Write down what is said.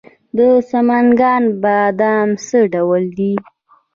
د سمنګان بادام څه ډول دي؟